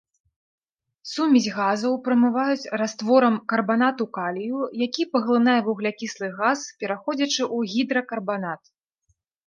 Сумесь газаў прамываюць растворам карбанату калію, які паглынае вуглякіслы газ, пераходзячы ў гідракарбанат.